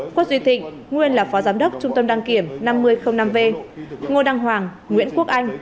quân duy thịnh nguyên là phó giám đốc trung tâm đăng kiểm năm mươi năm v ngô đăng hoàng nguyễn quốc anh